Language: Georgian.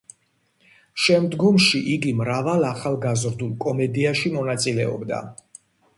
შემდგომში იგი მრავალ ახალგაზრდულ კომედიაში მონაწილეობდა.